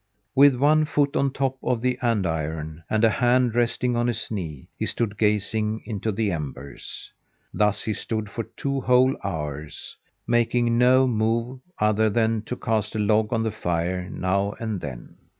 With one foot on top of the andiron and a hand resting on his knee, he stood gazing into the embers. Thus he stood for two whole hours, making no move other than to cast a log on the fire now and then.